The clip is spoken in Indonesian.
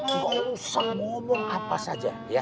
nggak usah ngomong apa saja ya